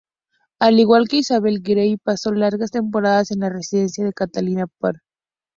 Al igual que Isabel, Grey pasó largas temporadas en la residencia de Catalina Parr.